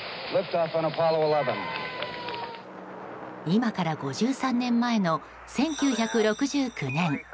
今から５３年前の１９６９年。